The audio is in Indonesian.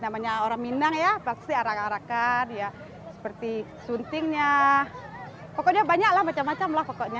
namanya orang minang ya pasti arak arakan ya seperti suntingnya pokoknya banyak lah macam macam lah pokoknya